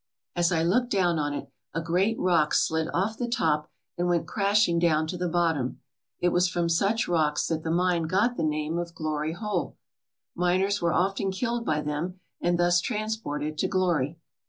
As I looked down on it, a great rock slid off the top and went crashing down to the bottom. It was from such rocks that the mine got the name of Glory Hole. Miners were often killed by them and thus transported to Glory.